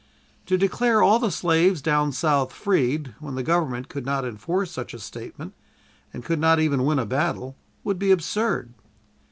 To declare all the slaves down South freed, when the Government could not enforce such a statement and could not even win a battle, would be absurd.